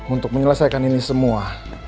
untuk menyelesaikan ini semua